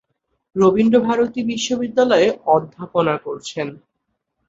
রবীন্দ্রভারতী বিশ্ববিদ্যালয়ে অধ্যাপনা করেছেন।